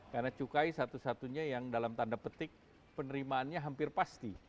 karena cukai satu satunya yang dalam tanda petik penerimaannya hampir pasti